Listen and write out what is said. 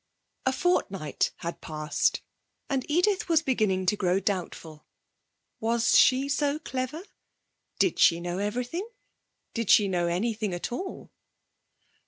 A fortnight had passed, and Edith was beginning to grow doubtful. Was she so clever? Did she know everything? Did she know anything at all?